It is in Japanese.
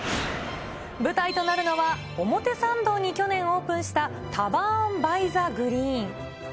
舞台となるのは、表参道に去年、オープンしたタバーン・バイザグリーン。